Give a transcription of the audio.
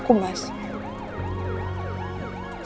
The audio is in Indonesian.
kamu nggak usah mikirin aku mas